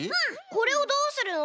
これをどうするの？